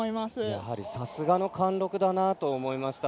やはりさすがの貫禄だなと思いました。